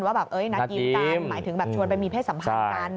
ว่าแบบนักยิ้มกันหมายถึงชวนไปมีเพศสัมผัสกัน